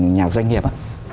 nhà doanh nghiệp